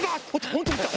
本当に撃った！